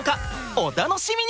お楽しみに！